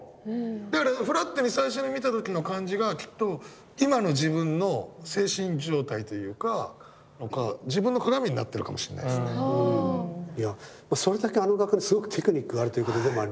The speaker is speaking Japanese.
だからフラットに最初に見た時の感じがきっと今の自分の精神状態というかそれだけあの画家にすごくテクニックがあるということでもありますよね。